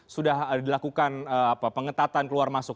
sudah dilakukan pengetatan keluar masuk